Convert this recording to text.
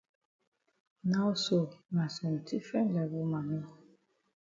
Now so na some different level mami.